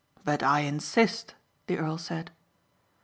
"But I insist," the earl said.